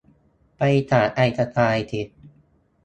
ไปถามไอน์สไตน์สิ